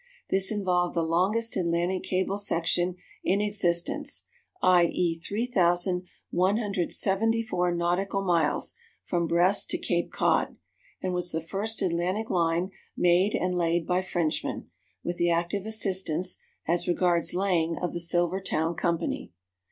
This involved the longest Atlantic cable section in existence, i.e., 3,174 nautical miles, from Brest to Cape Cod, and was the first Atlantic line made and laid by Frenchmen, with the active assistance, as regards laying, of the Silvertown Company.